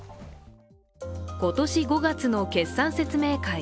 今年５月の決算説明会。